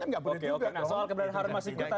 kan tidak boleh juga